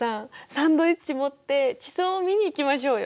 サンドイッチ持って地層を見に行きましょうよ。